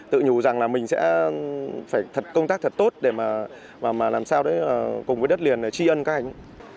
tự nhủ rằng là mình sẽ phải thật công tác thật tốt để mà làm sao đấy cùng với đất liền tri ân các anh